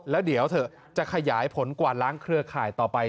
แล้วเดี๋ยวเถอะจะขยายผลกว่าล้างเครือข่ายต่อไป